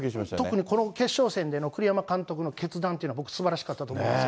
特にこの決勝戦での栗山監督の決断というのは僕、すばらしかったと思います。